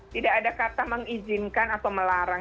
tidak ada kata mengizinkan atau melarang